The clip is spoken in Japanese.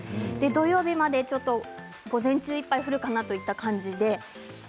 土曜日まで午前中いっぱい降るかなといった感じです。